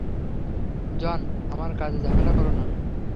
জন, আমার কাজে ঝামেলা করো না।